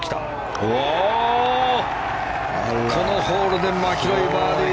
このホールでマキロイ、バーディー。